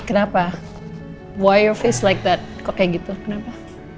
kenapa wajah lu begini kok kayak gitu kenapa